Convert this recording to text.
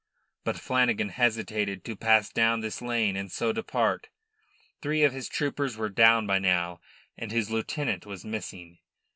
But Flanagan hesitated to pass down this lane and so depart. Three of his troopers were down by now, and his lieutenant was missing.